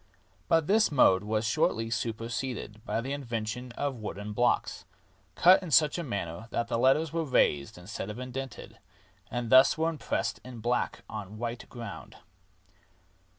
But this mode was shortly super seded by the invention of wooden blocks, cut in such a manner that the letters were raised instead of indented, and thus were impressed in black on a white ground.